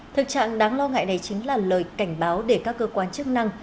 thực trạng đáng lo ngại này chính là lời cảnh báo để các cơ quan chức năng